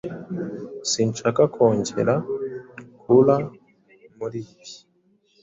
Sinshaka kongera kuura muri ibi.